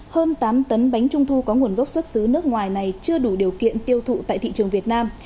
hơn tám tấn bánh trung thu có nguồn gốc xuất xứ nước ngoài này chưa đủ điều kiện tiêu thụ tại thị trường việt nam